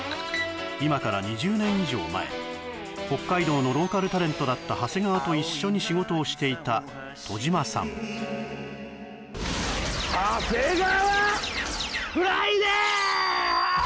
今から２０年以上前北海道のローカルタレントだった長谷川と一緒に仕事をしていた戸島さんハセガワフライデー！